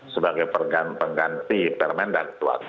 sebagai pengganti permendak dua puluh